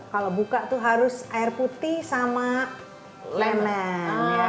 kalau buka tuh harus air putih sama lemon